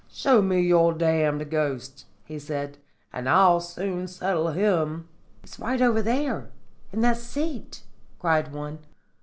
"'Show me your damned ghost,' he said, 'and I'll soon settle him.' "'He's over there in that seat,' cried one.